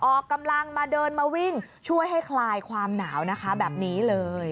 ออกกำลังมาเดินมาวิ่งช่วยให้คลายความหนาวนะคะแบบนี้เลย